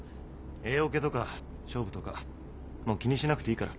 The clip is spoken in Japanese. Ａオケとか勝負とかもう気にしなくていいから。